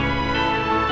aku mau ke rumah